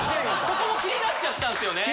・そこも気になっちゃったんすよね・